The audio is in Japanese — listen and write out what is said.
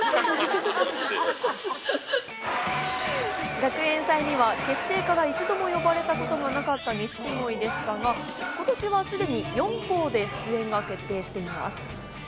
学園祭には結成から一度も呼ばれたことがなかった錦鯉でしたが、今年はすでに４校で出演が決定しています。